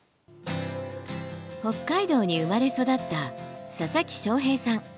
北海道に生まれ育った佐々木翔平さん。